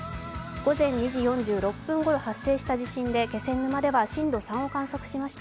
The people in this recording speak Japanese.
午前２時４６分頃発生した地震で気仙沼では震度５を観測しました。